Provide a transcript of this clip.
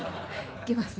いけますね。